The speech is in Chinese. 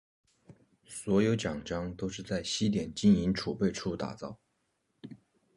所有奖章都是在西点金银储备处打造。